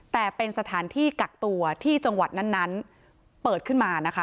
แต่เป็นสถานที่กักตัวที่จังหวัดนั้นเปิดขึ้นมานะคะ